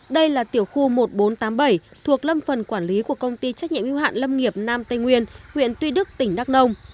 đây là tiểu khu một nghìn bốn trăm tám mươi bảy thuộc lâm phần quản lý của công ty trách nhiệm yêu hạn lâm nghiệp nam tây nguyên huyện tuy đức tỉnh đắk nông